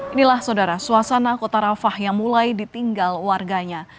inilah saudara suasana kota rafah yang mulai ditinggal warganya